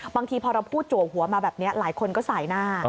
บางทีพอเราพูดจัวหัวมาแบบนี้หลายคนก็สายหน้า